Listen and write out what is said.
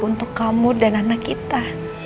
untuk kamu dan anak kita